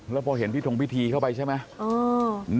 เมื่อพ่อเห็นพี่ถงพี่ทีเข้าไปใช่ไหม